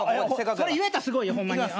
それ言えたらすごいよ。いきます。